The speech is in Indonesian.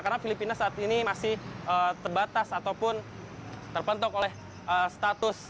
karena filipina saat ini masih terbatas ataupun terpentuk oleh status